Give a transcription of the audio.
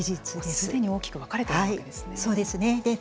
すでに大きく分かれているわけですね。